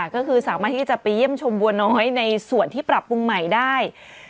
ก็คือสามารถที่จะไปเยี่ยมชมบัวน้อยในส่วนที่ปรับปรุงใหม่ได้